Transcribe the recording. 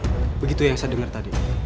saya gak akan serahkan putri